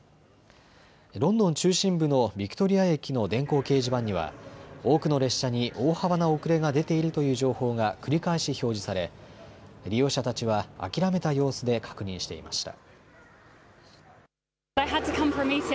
ロンドン中心部のビクトリア駅の電光掲示板には多くの列車に大幅な遅れが出ているという情報が繰り返し表示され利用者たちは諦めた様子で確認していました。